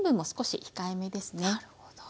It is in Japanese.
なるほど。